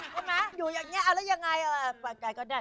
ว่าไหมอยู่อย่างนี้แล้วยังไง